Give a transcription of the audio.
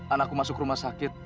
anakku masuk rumah sakit